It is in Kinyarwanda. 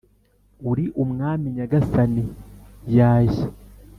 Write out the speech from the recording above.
uri Mwami nyagasani yajye